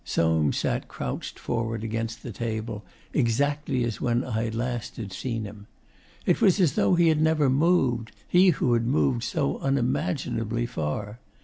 Soames sat crouched forward against the table, exactly as when last I had seen him. It was as though he had never moved he who had moved so unimaginably far.